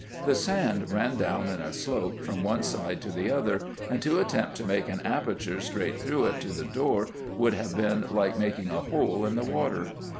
The sand ran down in a slope from one side to the other, and to attempt to make an aperture straight through it to the door would have been like making a hole in the water.